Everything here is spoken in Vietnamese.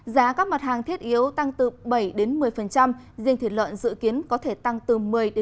giá các mặt hàng thiết yếu tăng từ bảy một mươi riêng thiệt lợn dự kiến có thể tăng từ một mươi một mươi năm